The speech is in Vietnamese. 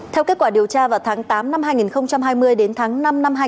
theo kết quả điều tra vào tháng tám năm hai nghìn hai mươi đến tháng năm năm hai nghìn